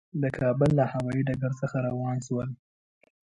د کابل له هوایي ډګر څخه روان شولو.